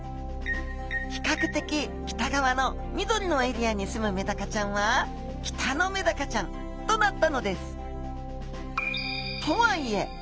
比較的北側の緑のエリアにすむメダカちゃんはキタノメダカちゃんとなったのです。